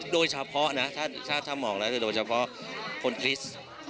โดยเฉพาะนะถ้ามองแล้วโดยเฉพาะคนคริสต์